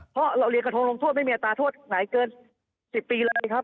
เพราะเรามีอัตราโทษองค์ไม่พอไหนเกิน๑๐ปีเลยครับ